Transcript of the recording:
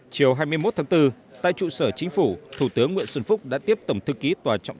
chiều hai mươi một tháng bốn tại trụ sở chính phủ thủ tướng nguyễn xuân phúc đã tiếp tổng thư ký tòa trọng